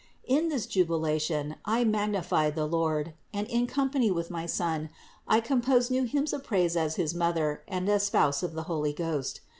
In this jubilation I magnified the Lord; and in company with my Son I composed new hymns of praise as his Mother and as Spouse of the Holy Ghost.